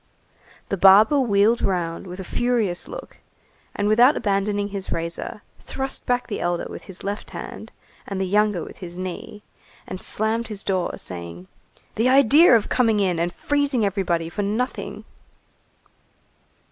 The barber wheeled round with a furious look, and without abandoning his razor, thrust back the elder with his left hand and the younger with his knee, and slammed his door, saying: "The idea of coming in and freezing everybody for nothing!"